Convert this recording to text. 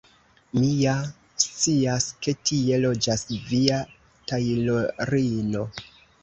Mi ja scias, ke tie loĝas via tajlorino.